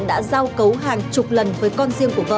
đã giao cấu hàng chục lần với con riêng của vợ